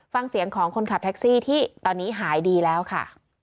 ฟังเสียงของคนขับแท็กซี่ที่ตอนนี้หายดีแล้วค่ะ